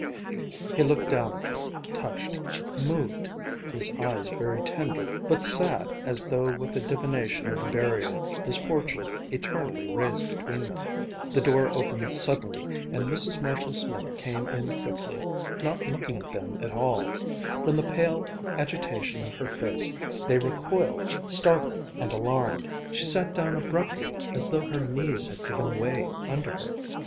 He looked down at her, touched, moved, his eyes very tender, but sad as though with a divination of the barrier his fortune eternally raised between them. The door opened suddenly and Mrs. Marshall Smith came in quickly, not looking at them at all. From the pale agitation of her face they recoiled, startled and alarmed. She sat down abruptly as though her knees had given way under her.